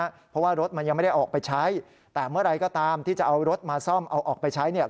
เพราะว่ารถมันยังไม่ได้ออกไปใช้แต่เมื่อไหร่ก็ตามที่จะเอารถมาซ่อมเอาออกไปใช้เนี่ย